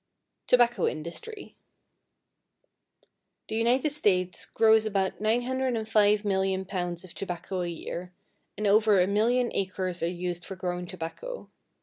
=Tobacco Industry.= The United States grows about 905,000,000 pounds of tobacco a year, and over a million acres are used for growing tobacco.